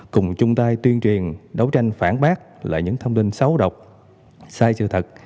cùng chung tay tuyên truyền đấu tranh phản bác lại những thông tin xấu độc sai sự thật